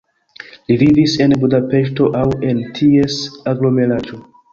Li vivis en Budapeŝto aŭ en ties aglomeraĵo.